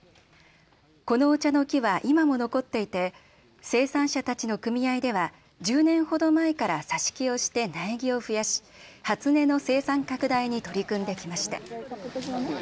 このお茶の木は今も残っていて生産者たちの組合では１０年ほど前から挿し木をして苗木を増やし初音の生産拡大に取り組んできました。